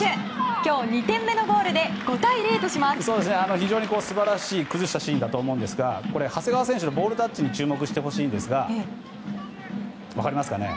今日２点目のゴールで非常に素晴らしい崩したシーンだと思うんですが長谷川選手のボールタッチに注目してほしいんですが分かりますかね。